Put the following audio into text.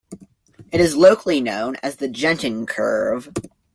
It is locally known as the Genting Curve.